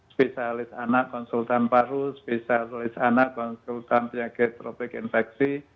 spesialis anak konsultan paru spesialis anak konsultan penyakit tropik infeksi